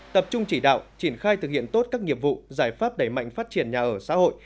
tập trung chỉ đạo triển khai thực hiện tốt các nghiệp vụ giải pháp đẩy mạnh phát triển nhà ở xã hội